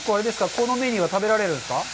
このメニューは食べられるんですか。